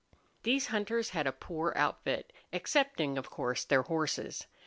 These hunters had a poor outfit, excepting, of course, their horses.